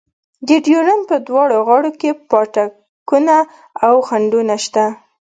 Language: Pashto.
د ډیورنډ په دواړو غاړو کې پاټکونه او خنډونه شته.